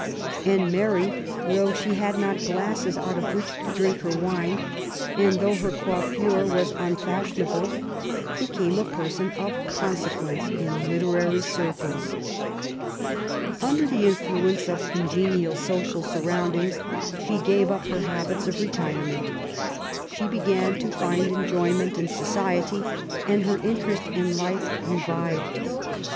And Mary, though she had not glasses out of which to drink her wine, and though her coiflfure was un fashionable, became a person of consequence in literary circles. Under the influence of congenial social surroundings she gave up her habits of retirement. She began to find enjoyment in society, and her interest in life re vived.